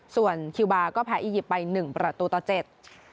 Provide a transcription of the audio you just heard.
ส่วนคิวบาร์ก็แพ้อียิปต์ไป๑ประตูต่อ๗